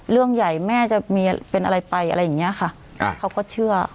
เรื่องใหญ่แม่จะมีเป็นอะไรไปอะไรอย่างเงี้ยค่ะอ่าเขาก็เชื่อ